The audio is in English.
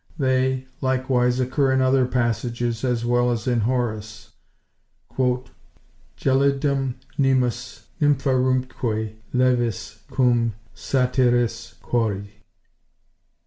They, likewise, occur in other passages as well as in Horace— "——gelidum nemus Nympharumque leves cum Satyris chori."